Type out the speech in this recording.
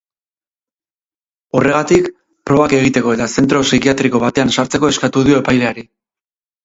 Horregatik, probak egiteko eta zentro psikiatriko batean sartzeko eskatu dio epaileari.